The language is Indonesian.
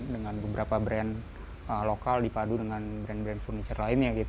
dengan beberapa brand lokal dipadu dengan brand brand furniture lainnya